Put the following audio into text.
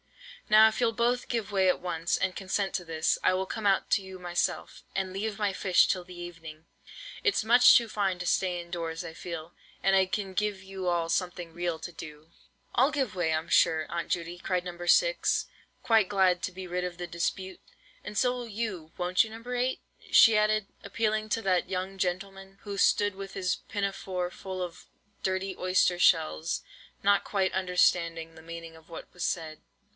Now if you'll both give way at once, and consent to this, I will come out to you myself, and leave my fish till the evening. It's much too fine to stay in doors, I feel; and I can give you all something real to do." "I'll give way, I'm sure, Aunt Judy," cried No. 6, quite glad to be rid of the dispute; "and so will you, won't you, No. 8?" she added, appealing to that young gentleman, who stood with his pinafore full of dirty oyster shells, not quite understanding the meaning of what was said.